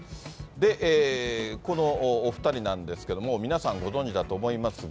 このお２人なんですけども、皆さんご存じだと思いますが。